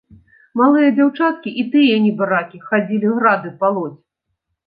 Малыя дзяўчаткі і тыя, небаракі, хадзілі грады палоць.